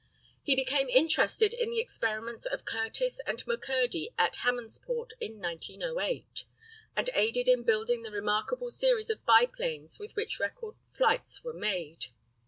He became interested in the experiments of Curtiss and McCurdy at Hammondsport, in 1908, and aided in building the remarkable series of biplanes with which record flights were made.